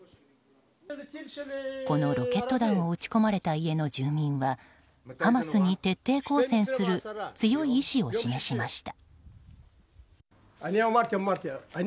このロケット弾を撃ち込まれた家の住民はハマスに徹底抗戦する強い意志を示しました。